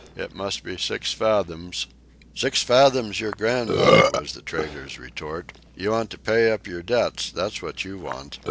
"It must be six fathoms " "Six fathoms your grandmother!" was the trader's retort. "You want to pay up your debts, that's what you want.